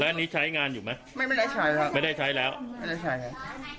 อันนี้ใช้งานอยู่ไหมไม่ไม่ได้ใช้ครับไม่ได้ใช้แล้วไม่ได้ใช้ครับ